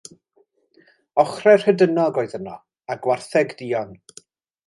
Ochrau rhedynog oedd yno, a gwartheg duon.